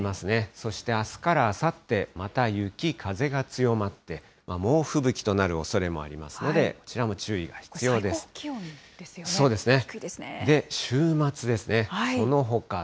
そしてあすからあさって、また雪、風が強まって猛吹雪となるおそれもありますの最高気温ですよね。